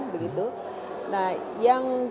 begitu nah yang